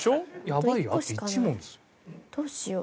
やばいよ